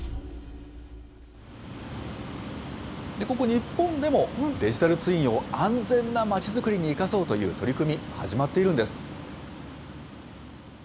ここ、日本でもデジタルツインを安全な町づくりに生かそうという取り組み、始まっているんです。